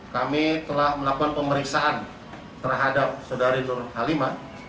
kami telah melakukan pemeriksaan terhadap saudari nur halimah